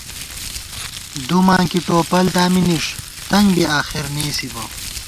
دُماں کی ٹوپل دامی نِݭ، تنگ بی آخرنېسِبہ